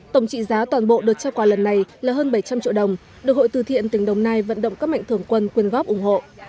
tổng trị giá toàn bộ đợt trao quà lần này là hơn bảy trăm linh triệu đồng được hội từ thiện tỉnh đồng nai vận động các mạnh thường quân quyên góp ủng hộ